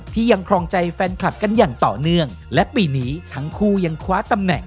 ยังครองใจแฟนคลับกันอย่างต่อเนื่องและปีนี้ทั้งคู่ยังคว้าตำแหน่ง